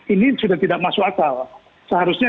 ini sudah tidak masuk akal seharusnya